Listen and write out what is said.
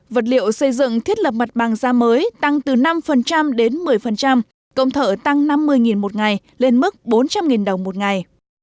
vật liệu xây dựng thiết lập mặt bằng giá mới tăng từ năm đến một mươi công thợ tăng năm mươi một ngày lên mức bốn trăm linh đồng một ngày